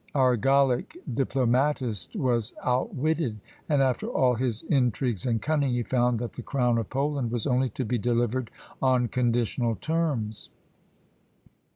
Our Gallic diplomatist was outwitted, and after all his intrigues and cunning, he found that the crown of Poland was only to be delivered on conditional terms.